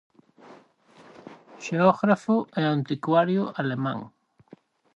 Xeógrafo e anticuario alemán.